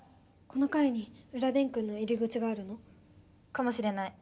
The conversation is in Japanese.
このかいに裏電空の入り口があるの？かもしれない。